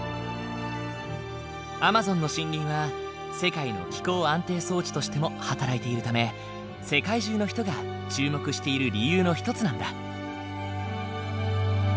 アマゾンの森林は世界の気候安定装置としても働いているため世界中の人が注目している理由の一つなんだ。